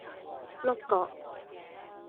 碌葛